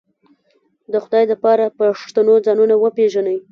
د خدای د پاره پښتنو ځانونه وپېژنئ